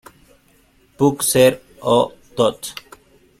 Puc ser-ho tot